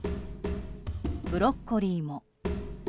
ブロッコリーも。